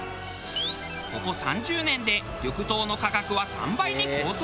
ここ３０年で緑豆の価格は３倍に高騰。